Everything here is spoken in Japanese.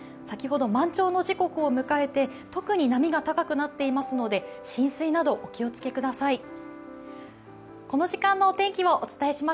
先ほど満潮の時刻を迎えて特に波が高くなっていますので、浸水などお気をつけください。